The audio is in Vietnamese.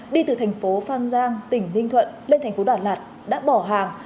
đi từ thành phố phan giang tỉnh ninh thuận lên thành phố đà lạt đã bỏ hàng